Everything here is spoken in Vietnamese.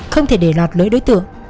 không thể để lọt lưới đối tượng